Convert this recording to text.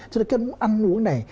cho nên ăn uống này